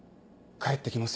帰って来ます！